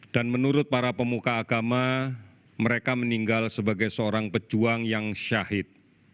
dan menurut para pemuka agama mereka meninggal sebagai seorang pejuang yang syahid